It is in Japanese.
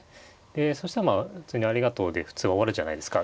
えそしたらまあ普通にありがとうで普通は終わるじゃないですか。